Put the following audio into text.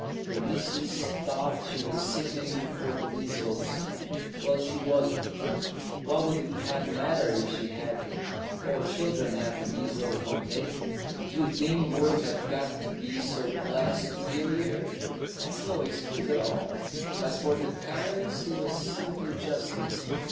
The missus thought she was sickening for the measles." "Well, she wasn't. What would it have mattered if she had been? All children have the measles, don't they? Do you think yours have got to be so blessed superior? That's no excuse at all. As for the kindness, it was simply justice.